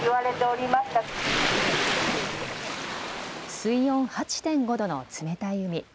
水温８．５度の冷たい海。